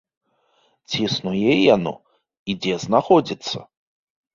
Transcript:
Ці існуе яно і дзе знаходзіцца?